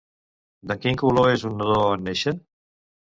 De quin color és un nadó en néixer?